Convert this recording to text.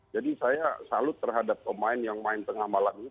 jadi saya salut terhadap pemain yang main setengah malam ini